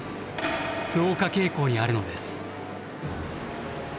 増加傾向にあるのです。